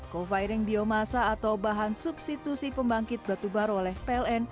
coviring biomasa atau bahan substitusi pembangkit batu baru oleh ppn